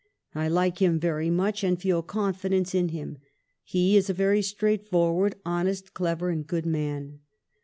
... I like him very much and feel confidence in him. He is a very straightforward, honest, clever, and good man."